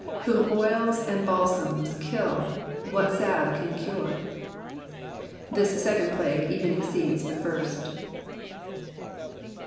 Whom oils and balsams kill, what salve can cure ?" This second plague even exceeds the first.